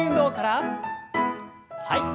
はい。